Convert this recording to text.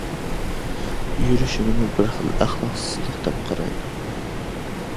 يۈرۈشنىمۇ بىر خىل ئەخلاقسىزلىق دەپ قارايدۇ.